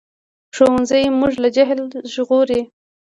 ښوونځی موږ له جهل ژغوري